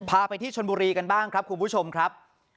พาไปที่ชนบุรีกันบ้างครับคุณผู้ชมครับ